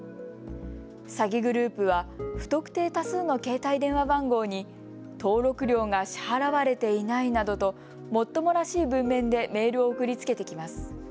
詐欺グループは不特定多数の携帯電話番号に登録料が支払われていないなどともっともらしい文面でメールを送りつけてきます。